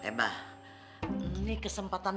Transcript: ee mbah ini kesempatan